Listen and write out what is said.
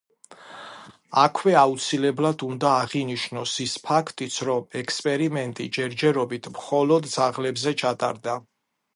აქვე აუცილებლად უნდა აღინიშნოს ის ფაქტიც, რომ ექსპერიმენტი ჯერჯერობით მხოლოდ ძაღლებზე ჩატარდა.